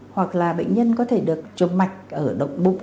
hoặc là bệnh nhân có thể được chụp mạch ở độc bụng